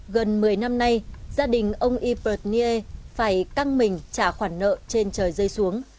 gần một mươi năm nay gia đình ông iper nie phải căng mình trả khoản nợ trên trời rơi xuống